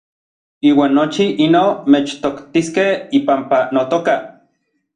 Iuan nochi inoj mechtoktiskej ipampa notoka.